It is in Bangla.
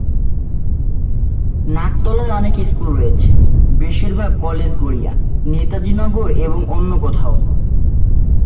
নাকতলায় অনেক স্কুল রয়েছে, বেশিরভাগ কলেজ গড়িয়া, নেতাজি নগর এবং অন্য কোথাও।